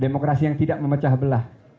demokrasi yang tidak memecah belah